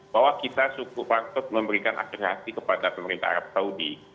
bahwa kita cukup patut memberikan akses kepada pemerintah arab saudi